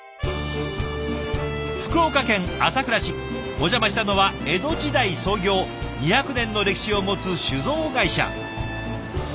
お邪魔したのは江戸時代創業２００年の歴史を持つ酒造会社。